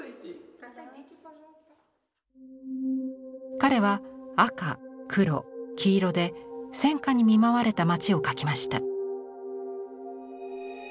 彼は赤黒黄色で戦禍に見舞われた町を描きました。